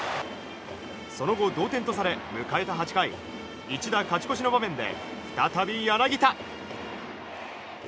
その後、同点とされ迎えた８回一打勝ち越しの場面で再び柳田。